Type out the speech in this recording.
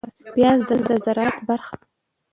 پياز د زراعت برخه ده